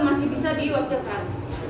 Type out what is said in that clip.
masih bisa diwakilkan